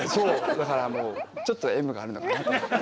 だからもうちょっとＭがあるのかなと。